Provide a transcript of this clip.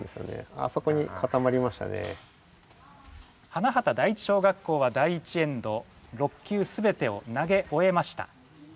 花畑第一小学校は第１エンド６球全てを投げ終えました。